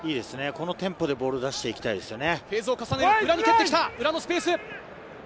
このテンポでボールを出していきたいですね。